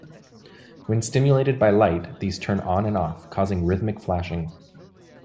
When stimulated by light, these turn on and off, causing rhythmic flashing.